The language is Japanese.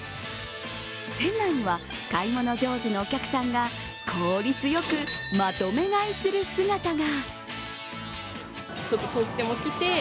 店内には買い物上手のお客さんが効率よくまとめ買いする姿が。